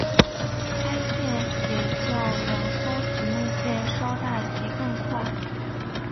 该舰也较两艘姊妹舰稍大及更快。